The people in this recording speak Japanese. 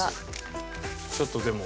ちょっとでも。